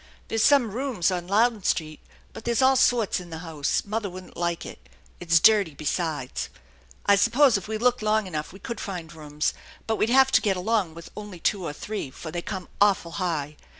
There's some rooms on Louden Street, but there's all sorts in the house. Mother wouldn't like it. It's dirty besides. I suppose if we look long enough we could find rooms ; but we'd have to get along with only two or three, for they come awful high.